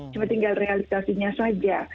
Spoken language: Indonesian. cuma tinggal realitasinya saja